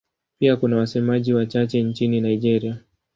Pia kuna wasemaji wachache nchini Nigeria.